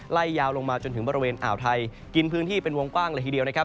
ไล่ยาวลงมาจนถึงบริเวณอ่าวไทยกินพื้นที่เป็นวงกว้างเลยทีเดียวนะครับ